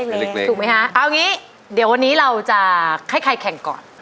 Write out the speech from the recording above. ถูกไหมคะเอางี้เดี๋ยววันนี้เราจะให้ใครแข่งก่อน